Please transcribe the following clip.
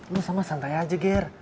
lo sama santai aja ger